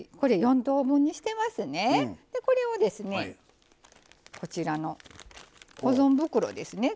これをですねこちらの保存袋ですね